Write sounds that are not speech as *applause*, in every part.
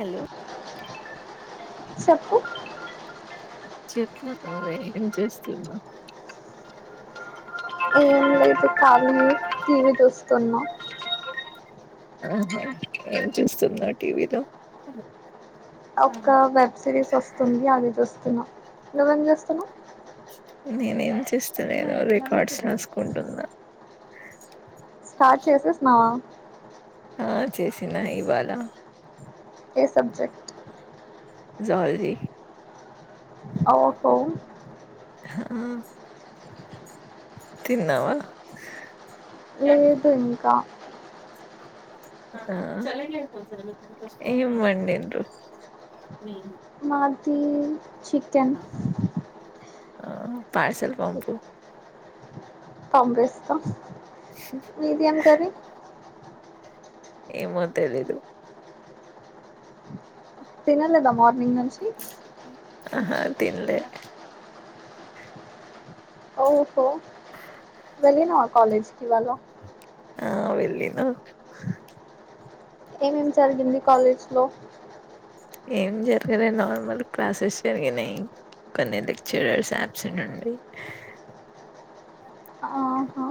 Hello చెప్పు చెప్పు నువ్వే ఏం చేస్తున్నావ్ ఏం లేదు ఖాళీ యే టీవీ చూస్తున్నా ఆహా ఏం చూస్తున్నావ్ టీవీలో ఒక వెబ్ సిరీస్ వస్తుంది అది చూస్తున్నా నువ్వేం చుస్తున్నావ్ నేనేం చేస్తాలేను రికార్డ్స్ రాసుకుంటున్నా స్టార్ట్ చేసేసినావా ఆ చేసినా ఇవాళ ఏ సబ్జెక్ట్ జువాలజీ అవుకు ఆ తిన్నావా లేదు ఇంకా *inaudible* ఆ ఏం వండిండ్రు మాది చికెన్ ఆ పార్సల్ పంపు పంపిస్తా స్ మీది ఏం కర్రీ ఏమో తెలీదు తినలేదా మార్నింగ్ నుంచి ఆహా తిన్లే ఓహో వెళ్ళినావా కాలేజ్కి ఇవాళ ఆ వెళ్ళిన ఏమేం జరిగింది కాలేజ్ లో ఏం జరగలే నార్మల్ క్లాసెస్ జరిగినాయి కొన్ని లెక్చరర్స్ యాప్సెంట్ అండి ఆహా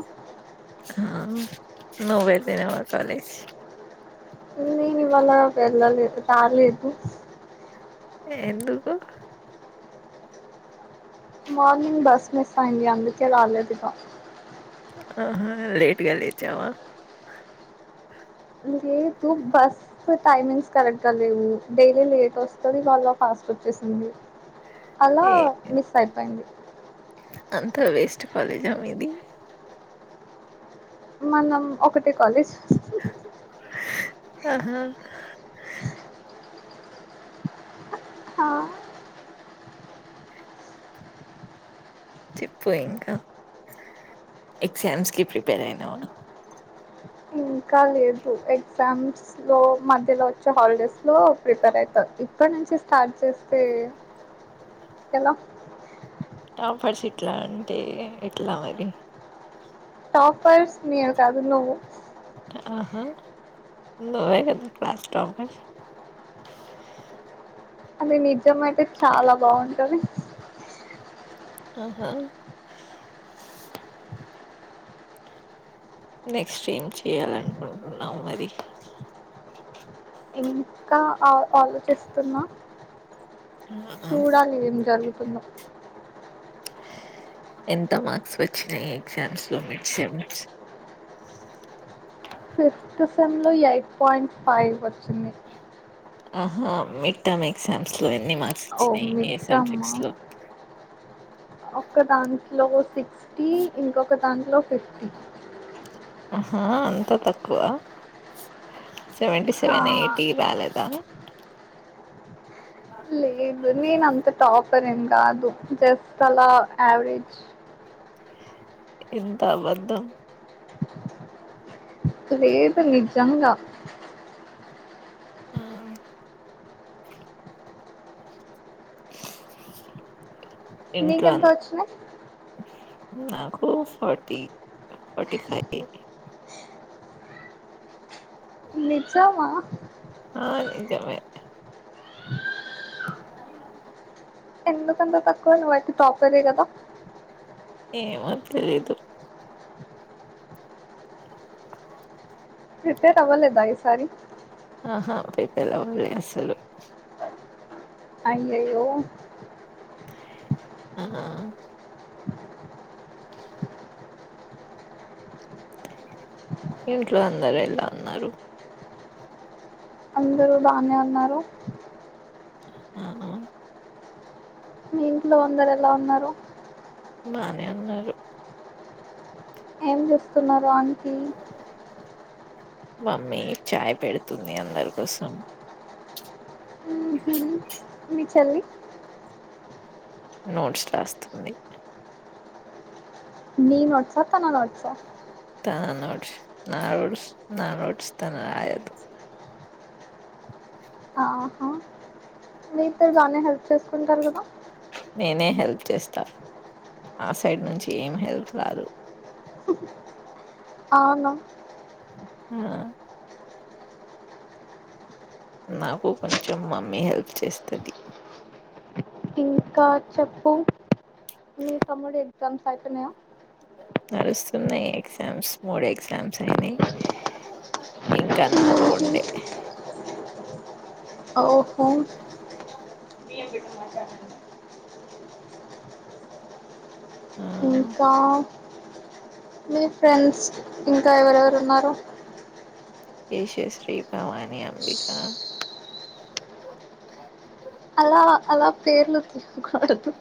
ఉమ్ నువ్వు అయితే ఈ కాలేజ్ మల్ల వెళ్ళలేదు తార్లీకు ఎందుకు మార్నింగ్ బస్ మిస్ అయింది అందుకే రాలేదు ఇక ఆహ లేటుగా లేచావా లేదు బస్ టైమింగ్స్ కరెక్ట్ గా లేవు డైలీ లేట్ వస్తది ఇ వాళ ఫాస్ట్ వచ్చేసింది అలా ఏ మిస్ అయిపోయింది అంతా వెస్ట్ కాలేజ్ ఆ మీది మనం ఒకటే కాలేజ్ చేస్తున్నా ఆహా చెప్ప ఇంకా ఎగ్జామ్స్ కి ప్రిపేర్ అయినావ ఇంకా లేదు ఎగ్జామ్స్ లో మధ్యలో వచ్చే హాలిడేస్ లో ప్రిపేర్ అవుతా ఇప్పుడు ఇక్కడి నుంచి స్టార్ట్ చేస్తే ఆ ఏలా టాపర్స్ ఎట్లా అంటే ఎట్లా మరి టాపర్స్ నేను కధు నువ్వు ఆహా నువ్వు కథ క్లాస్ టాపర్ ఆ అది నిజం అయితే చాలా బాగుంటది ఆహా నెక్స్ట్ ఏం చేయాలనుకుంటున్నావ్ మరి ఇంకా ఆ ఆలోచిస్తున్నా ఆహా చూడాలి ఏం జరుగుతు ఉున్నా ఎంత మార్క్స్ వచ్చాయి ఎగ్జామ్స్ లో మీకు సెమ్స్ ఆ సెమ్లో ఎయిట్ పాయింట్ ఫైవ్ వచ్చింది ఆహా మిడ్ టమ్ ఎక్సామ్స్ లో ఎన్ని మార్క్స్ ఓ వచ్చినాయి ఏ మిడ్ అమ్మా సబ్జెక్ట్స్ లో ఒక్క దాంట్లో సిక్స్టీ ఇంకొక దాంట్లో ఫిఫ్టీ ఆహా అంత తక్కువ సెవెంటీ ఆ సెవెన్ ఎయిటీ రాలేదా ఆ నేను నంత టాపర్ ఎం కాధు జస్ట్ అలా ఆయావరేజ్ ఎంత వద్దు లెధు నిజాంగ ఆ ఆ నీకెంత వచ్చినయి నా ఫర్టీ ఫర్టీ ఫైవ్ నిజమా ఆ నిజమే ఆ ఎందుకంత తక్కువ నువ్వు అయితే తటాపర్ వీ కదా ఎమో థెలిధు ప్రిపేర్ అవ్వలేదా ఈసారి అహా ప్రిపేర్ అవ్వాలేదు అసలు అయ్యాయాయో ఆ ఇంట్లో అందర ఎలా అన్నారు అందరూ బానే ఉన్నారు ఆ హా మీ ఇంట్లో అందరు ఎలా ఉన్నారు బానే వున్నారు ఏం చేస్తున్నారు ఆయిన్కి మమ్మీ చాయ్ పెడుతుంది అందర్ కోసం మీ చెల్లి నోట్స్ రాస్తుంది నీ వాట్సా తన వాట్సా నా నోడ్స్ నా నోడ్స్ నా నోట్స్ తన రాయదు మీతే బానే హెల్ప్ చేసుకుంటార్ కదా నేనే హెల్ప్ చేస్తా ఆ సైడ్ నుంచి ఏం హెల్ప్ రాదు. అవును ఆ నాకు కొంచెం మమ్మీ హెల్ప్ చేస్తుంది. ఇంకా చెప్పు మీ తమ్ముడి ఎగ్జామ్స్ అయిపోయినాయ. నడుస్తున్నాయ్ ఎక్జామ్స్ మూడు ఎక్జామ్స్ అయినాయ్ ఇంకా నాలుగుండే ఓ హు చడి ఆ ఇంకా మీ ఫ్రెండ్స్ ఇంకా ఎవరెవరు ఉన్నారు యశశ్రీ భవాని అంబికా అలా అలా పేర్లు చోప్ కూడదు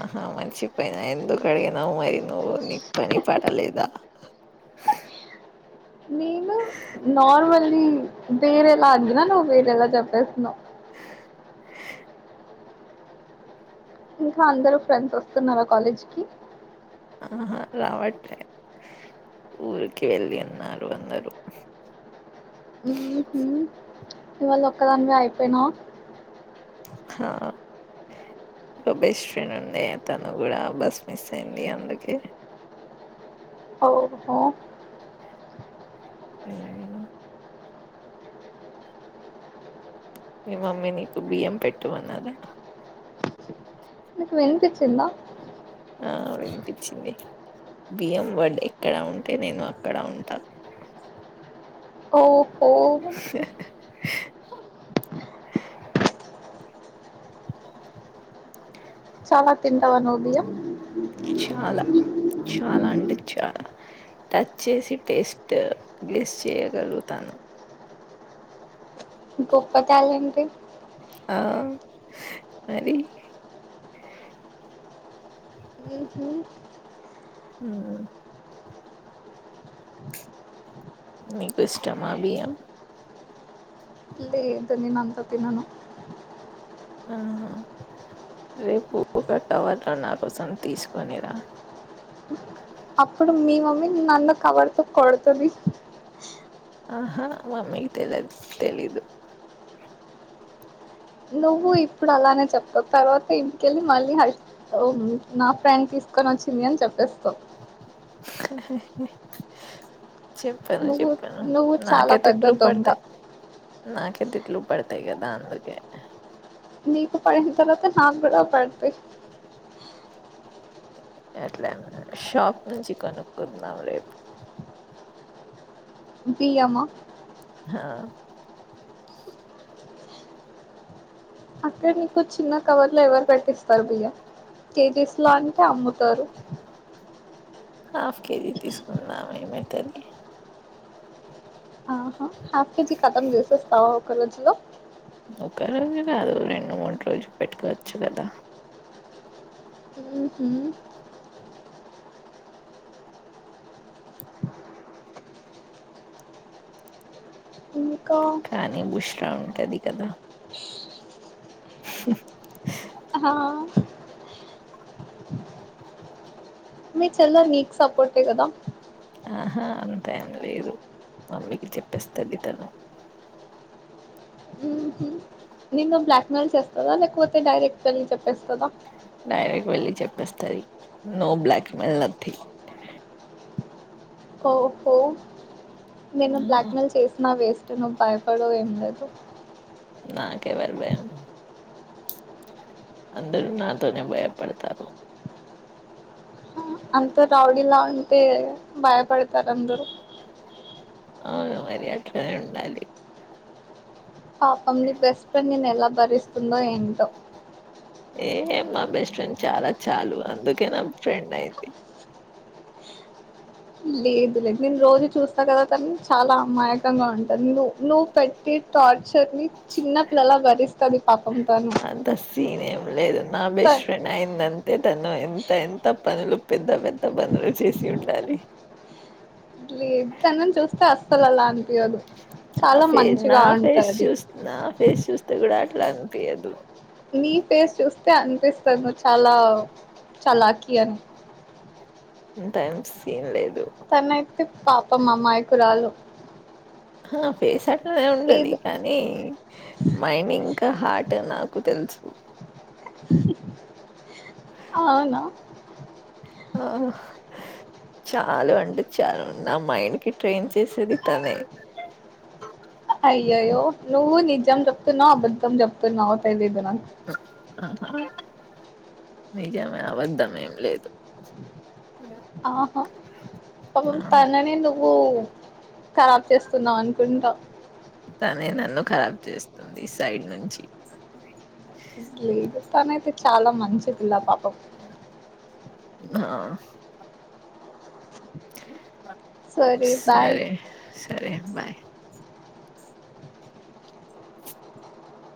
ఆహా మర్చిపోయినా ఎందుకు అడిగినావ్ మరి నువ్వు నీ పని పాట లేదా ఆ నేను నార్మల్లీ వేరేలా అడిగినా నువ్వు వేరేలా చెప్పేసినవ్ ఆ ఇంకా అందరూ ఫ్రెండ్స్ వస్తున్నారా కాలేజ్ కి ఆహా రావట్లే ఊరికి వెళ్ళిన్నారు అందరూ ఉ హు ఇవాళ ఒక్కదానివే అయిపోయిన హా ఓ బెస్ట్ ఫ్రెండ్ ఉంది తను కూడా బస్ మిస్ అయింది అందుకే ఓహో *unintelligible* మీ మమ్మీ మీకు బియ్యం పెట్టు అన్నదా మీకు వినిపించిందా ఆ వినిపించింది బియ్యం వడ్ ఎక్కడ ఉంటే నేను అక్కడ ఉంటా ఓహో ఆ చాలా తింటావా నువ్ బియమ్ చాలా చాలా అంటే చాలా టచ్ చేసి టేస్ట్ గెస్ చేయగలుగుతాను ఆ గొప్ప టాలెంట్యే ఆ మరి ఊహూ ఉ మీకు ఇష్టమా బియ్యం ఏంతో నేను అంత తినను ఆహా రేపు టవర్ ర నా కోసం తీసుకునేరా అప్పుడు మీ మమ్మీ నన్ను కవర్తో కొడుతది ఆహా మమ్మీ తెలిదు తెలీదు నువ్వు ఇప్పుడు అలానే చెప్తావు తర్వాత ఇంటికెళ్ళి మళ్ళీ హ నా ఫ్రెండ్ తీసుకు క్క వచ్చింది అని చెప్పేస్తావ్ చెప్పను నువ్వు చెప్పు నువ్వు చాలా నాకే పెద్ద తిట్లు దొంగ పడతాయి నాకే తిట్లు పడతాయి కదా అందుకే నీకు పడిన తర్వాత హ నాకు కూడా పడతాయి ఎట్లానయి షాప్ నుంచి కొనుకున్నాం రేపు బియామ్మా హా అక్కే నీకు చిన్న కవర్ లో ఎవరు కట్టిస్తారు బియ్యం కేజీస్ లో అంటే అమ్ము తారు హాఫ్ కేజీ తీసుకున్నామ ఏమైతది ఆహా హాఫ్ కేజీ కతం చేసేస్తావా ఒక రోజులో ఒక రోజు కాదు రెండు మూడు రోజులు పెట్టుకోవచ్చు కదా ఊహూ ఇంకా కానీ బుష్రా ఉంటది కదా ఆ మీ చెల్లెలు మీకు సపోర్టే కదా ఆహా అంతా ఏం లేదు మమ్మీకి చెప్పేస్తది తను ఉహు నిన్ను బ్లాక్మెెయిల్ చేస్తదా లేకపోతే డైరెక్ట్ వెళ్ళి చెప్పేస్తదా డైరెక్ట్ వెళ్ళి చెప్పేస్తది నో బ్లాక్ మేల్ నథింగ్ ఓహో నేను బ్లాక్మెెయిల్ చేసిన వేస్ట్ నువ్ భయపడవ్ ఏం లేదు నాకెవరూ భయం అందరు నాతోనే భయ పడతారు అంతే రౌడీలా ఉంటే భయపడతారు అందరు అవును మరి అట్లనే ఉండాలి పాపం నీ బెస్ట్ ఫ్రెండ్ నిను ఎలా భరిస్తుందో ఏంటో ఏ మా బెస్ట్ ఫ్రెండ్ చాలా చాలు అందుకే నా ఫ్రెండ్ అయింది లేదు లేదు నేను రోజు చూస్తా కదా తను చాలా అమాయకంగా ఉంటుంది నువ్వు నువ్వు పెట్టి టార్చ చెర్రీ చిన్న పిల్లలా భరిస్తది పాపంతను అంత సీన్ ఏం లేదు నా బెస్ట్ ఫ్రెండ్ అయిందా అంత అదే తను ఎంత ఎంత పనులు పెద్ద పెద్ద పనులు చేసి ఉండాలి పిల్లలన్ ఆ నాఫే నా ఫేస్ ఉంటది చూస్ నా ఫేస్ చూస్తే కూడా అట్లా అనిపియదు మీ పేస్ చూస్తే అనిపిస్తుంది నువ్ చాలా చాలకీ అని ఇంత ఏం సీన్ లేదు తన అయితే పాపం అమాయకురాలు ఆ పేస్ అట్నే ఉండది ఏదో కానీ మైని ఇంకా హార్ట్ నాకు తెలుసు అవునా ఓహ్ చాలు అంటే చాలు నా మైండ్ కి ట్రైన్ చేసేది తనే అయ్యయ్యో నువ్వు నిజం చెప్తున్నావు అబద్ధం చెప్తున్నావు తెలిదు నాకు ఆహా నిజమే అపద్దమేం లేదు ఆహా పాపం ఆ తనని నువ్వు కరాబ్ చేస్తున్నావు అనుకుంటా తనే నన్ను ఖరాబ్ చేస్తుంది సైడ్ నుంచి పిగిస్తాన్ అయితే చాలా మంచి పిల్ల పాపం ఆ సరే సరే బాయ్